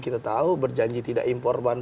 kita tahu berjanji tidak impor ban